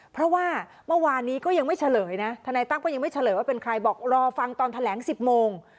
เพราะว่าเมื่อวานนี้ก็ยังไม่เฉลยนะทนายตั้มก็ยังไม่เฉลยว่าเป็นใครบอกรอฟังตอนแถลง๑๐โมง